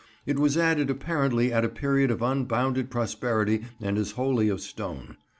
It was added apparently at a period of unbounded prosperity and is wholly of stone.